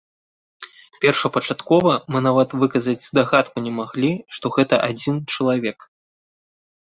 Першапачаткова мы нават выказаць здагадку не маглі, што гэта адзін чалавек.